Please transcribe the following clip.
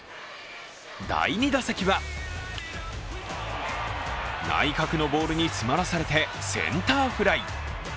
第２打席は内角のボールに詰まらされてセンターフライ。